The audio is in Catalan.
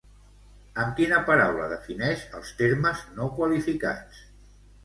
Amb quina paraula defineix els termes no qualificats?